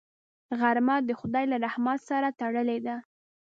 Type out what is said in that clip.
غرمه د خدای له رحمت سره تړلې ده